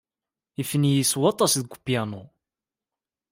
Ifen-iyi s waṭas deg upyanu.